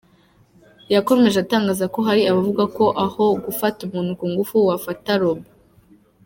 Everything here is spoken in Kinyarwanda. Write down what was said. Yakomeje atangaza ko “Hari abavuga ko aho gufata umuntu ku ngufu wafata robot".